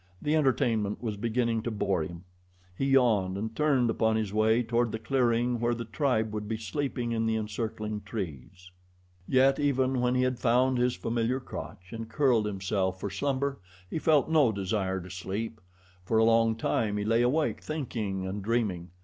The entertainment was beginning to bore him. He yawned and turned upon his way toward the clearing where the tribe would be sleeping in the encircling trees. Yet even when he had found his familiar crotch and curled himself for slumber, he felt no desire to sleep. For a long time he lay awake thinking and dreaming.